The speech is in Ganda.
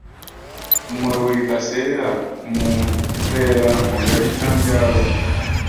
Mwe buli kaseera mu beera mulya bijanjaalo.